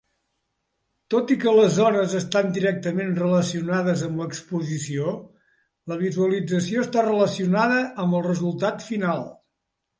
Tot i que les zones estan directament relacionades amb l'exposició, la visualització està relacionada amb el resultat final.